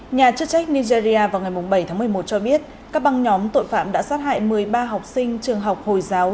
nhà chức trách nigeria vào ngày bảy tháng một mươi một cho biết các băng nhóm tội phạm đã sát hại một mươi ba học sinh trường học hồi giáo